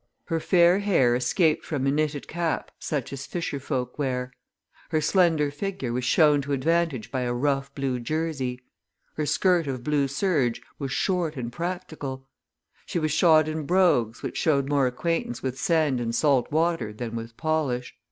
Her fair hair escaped from a knitted cap such as fisher folk wear; her slender figure was shown to advantage by a rough blue jersey; her skirt of blue serge was short and practical; she was shod in brogues which showed more acquaintance with sand and salt water than with polish.